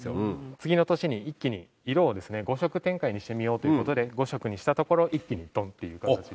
次の年に一気に色をですね５色展開にしてみようという事で５色にしたところ一気にドンっていう形で。